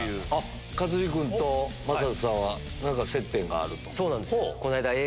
勝地君と魔裟斗さんは何か接点がある。